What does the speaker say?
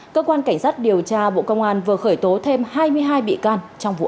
cơ quan cảnh sát điều tra bộ công an vừa khởi tố thêm hai mươi hai bị can trong vụ án